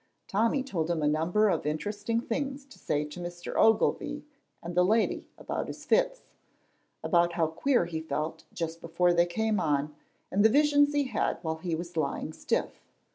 Tommy told him a number of interesting things to say to Mr. Ogilvy and the lady about his fits, about how queer he felt just before they came on, and the visions he had while he was lying stiff.